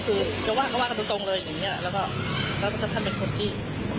คือจะว่าก็ว่ากันตรงเลยอย่างนี้แล้วก็ถ้าท่านเป็นคนที่